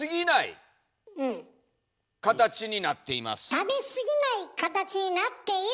食べ過ぎない形になっている！